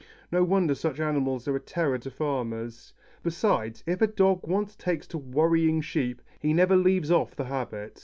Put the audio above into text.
No wonder such animals are a terror to farmers. Besides, if a dog once takes to "worrying" sheep, he never leaves off the habit.